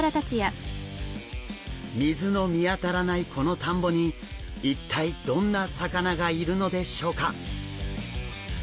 水の見当たらないこの田んぼに一体どんな魚がいるのでしょうか？